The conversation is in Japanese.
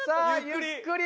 ゆっくり。